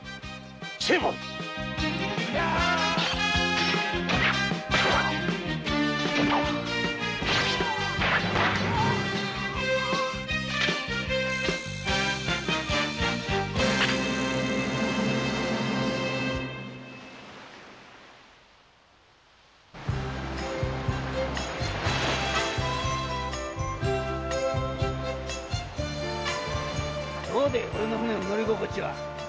成敗どうでぇおれの船の乗り心地は？